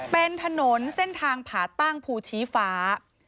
เป็นถนนเส้นทางผาตั้งภูชีฟ้า